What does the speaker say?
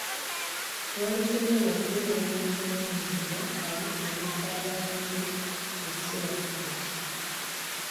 Lw'olisobola okubeera ow'obuvunaanyizibwa alitendeka abaana be ng'ekiseera kituuse.